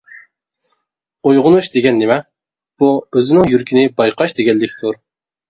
ئويغىنىش دېگەن نېمە؟ بۇ ئۆزىنىڭ يۈرىكىنى بايقاش دېگەنلىكتۇر.